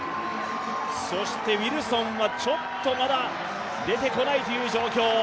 そしてウィルソンはちょっとまだ出てこないという状況。